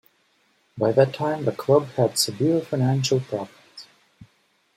By that time the club had severe financial problems.